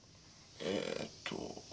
えと。